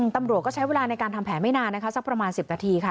ตำรวจก็ใช้เวลาในการทำแผนไม่นานนะคะสักประมาณ๑๐นาทีค่ะ